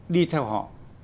đi theo họ